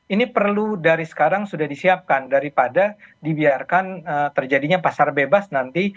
ini perlu dari sekarang sudah disiapkan daripada dibiarkan terjadinya pasar bebas nanti